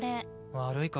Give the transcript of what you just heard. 悪いか？